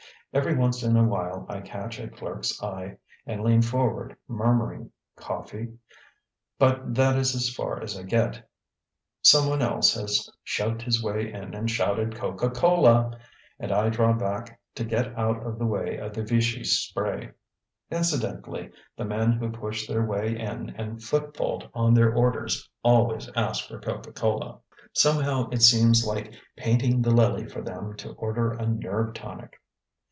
Every once in a while I catch a clerk's eye and lean forward murmuring, "Coffee" but that is as far as I get. Some one else has shoved his way in and shouted, "Coca Cola," and I draw back to get out of the way of the vichy spray. (Incidentally, the men who push their way in and footfault on their orders always ask for "Coca Cola." Somehow it seems like painting the lily for them to order a nerve tonic.)